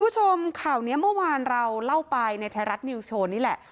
คุณผู้ชมข่าวนี้เมื่อวานเราเล่าไปในไทยรัฐนิวสโชว์นี่แหละ